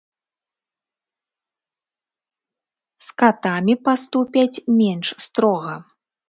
З катамі паступяць менш строга.